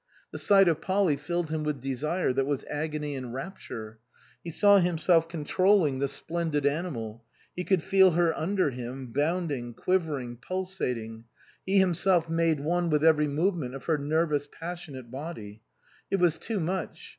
The sight of Polly filled him with desire that was agony and rapture ; he saw himself controlling the splendid animal ; he could feel her under him, bounding, quiver ing, pulsating, he himself made one with every movement of her nervous, passionate body. It was too much.